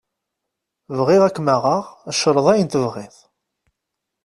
Bɣiɣ ad k-maɣeɣ, creḍ ayen tebɣiḍ.